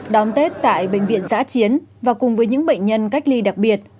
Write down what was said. đón tết tại bệnh viện giã chiến và cùng với những bệnh nhân cách ly đặc biệt